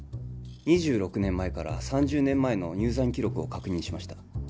２６年前から３０年前の入山記録を確認しました